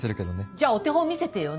じゃあお手本見せてよねぇ。